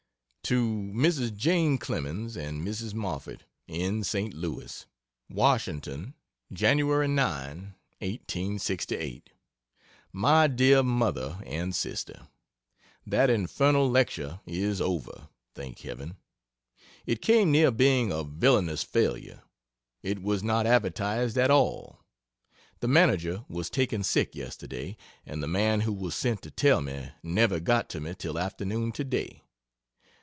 To Mrs. Jane Clemens and Mrs. Moffett, in St. Louis: WASH. Jan. 9, 1868. MY DEAR MOTHER AND SISTER, That infernal lecture is over, thank Heaven! It came near being a villainous failure. It was not advertised at all. The manager was taken sick yesterday, and the man who was sent to tell me, never got to me till afternoon today.